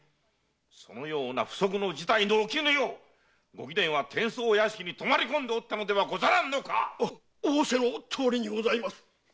そのような不測の事態の起きぬようご貴殿は伝奏屋敷に泊まり込んでおったのではござらんのか⁉おおおせのとおりにございます。